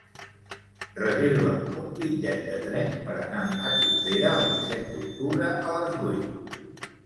Reserva'm un bitllet de tren per anar a Tordera el disset d'octubre a les vuit.